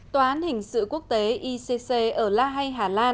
tòa án hình sự quốc tế icc ở la hay hà lan